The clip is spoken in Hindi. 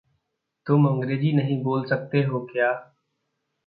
तुम अंग्रेज़ी नहीं बोल सकते हो क्या?